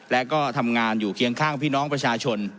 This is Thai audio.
และก็ทำงานอยู่เคียงข้างพี่น้องประชาชน